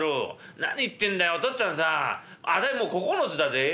「何言ってんだよお父っつぁんさあたいもう９つだぜえ。